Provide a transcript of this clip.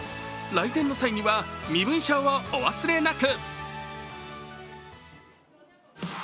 来店の際には身分証をお忘れなく！